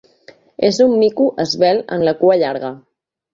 És un mico esvelt amb la cua llarga.